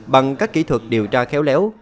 bằng các kỹ thuật điều tra khéo léo